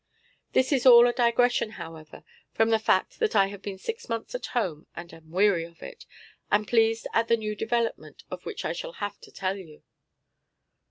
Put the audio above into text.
This is all a digression, however, from the fact that I have been six months at home and am weary of it, and pleased at the new development of which I shall have to tell you.